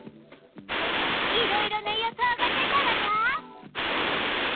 いろいろな予想が出たわよ。